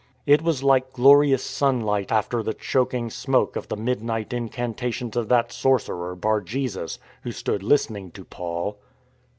It was like glorious sunlight after the choking smoke of the midnight incantations of that sorcerer, Bar jesus, who s.tood listening to Paul.